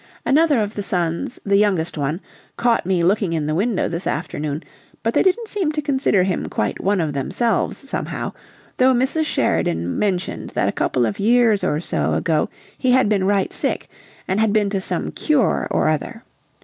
Another of the sons, the youngest one, caught me looking in the window this afternoon; but they didn't seem to consider him quite one of themselves, somehow, though Mrs. Sheridan mentioned that a couple of years or so ago he had been 'right sick,' and had been to some cure or other.